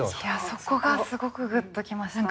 そこがすごくグッときました。